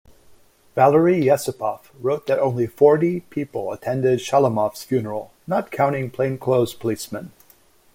Valery Yesipov wrote that only forty people attended Shalamov's funeral not counting plainclothes policemen.